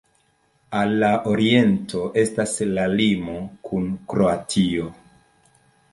Al la oriento estas la limo kun Kroatio.